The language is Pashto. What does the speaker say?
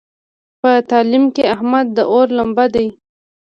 په تعلیم کې احمد د اور لمبه دی.